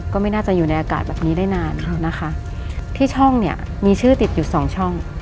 ก็ไม่น่าจะอยู่ในอากาศแบบนี้ได้นานนะคะที่ช่องเนี่ยมีชื่อติดอยู่สองช่อง